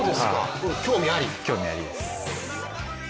興味あります